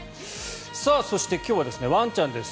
そして、今日はワンちゃんです。